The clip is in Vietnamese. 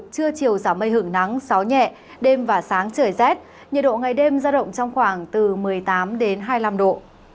trưa chiều giảm mây hưởng nắng gió nhẹ đêm và sáng trời rét nhiệt độ ngày đêm ra động trong khoảng từ một mươi tám đến hai mươi năm độ